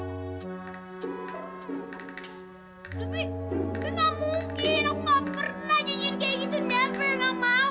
aku nggak pernah janjiin kayak gitu